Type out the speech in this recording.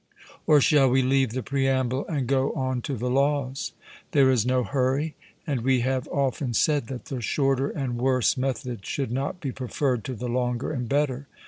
Or shall we leave the preamble and go on to the laws? 'There is no hurry, and we have often said that the shorter and worse method should not be preferred to the longer and better.